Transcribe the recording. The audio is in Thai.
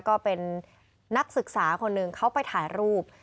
ก็เป็นนักศึกษาคนหนึ่งเขาไปถ่ายรูป